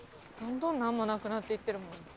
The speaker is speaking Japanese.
どんどんなんもなくなっていってるもん。